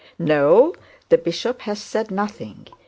'No, the bishop has said nothing.